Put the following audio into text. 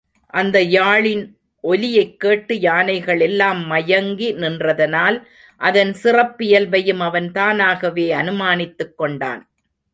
அந்த யாழின் ஒலியைக் கேட்டு யானைகள் எல்லாம் மயங்கி நின்றதனால், அதன் சிறப்பியல்பையும் அவன் தானாகவே அனுமானித்துக் கொண்டான்.